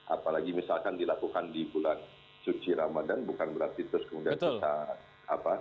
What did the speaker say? apalagi misalkan dilakukan di bulan suci ramadan bukan berarti terus kemudian kita apa